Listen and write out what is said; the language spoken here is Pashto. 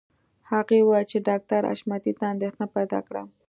هغې وویل چې ډاکټر حشمتي ته اندېښنه پیدا کړه